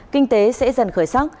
kinh tế sẽ dần khởi sắc